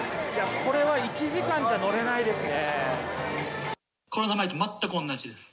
これは１時間じゃ乗れないですね。